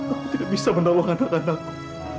aku tidak bisa menolong anak anakku